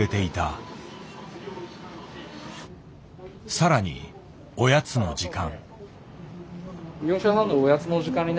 更におやつの時間。